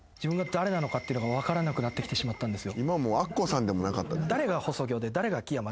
っていうのが分からなくなってきてしまったんですよ。